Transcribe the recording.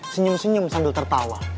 senyum senyum sambil tertawa